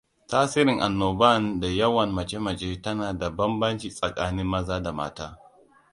Tasirin annoban da yawan mace-mace tana da bambanci tsakanin maza da mata.